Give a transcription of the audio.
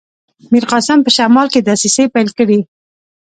میرقاسم په شمال کې دسیسې پیل کړي.